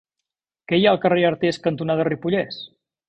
Què hi ha al carrer Artés cantonada Ripollès?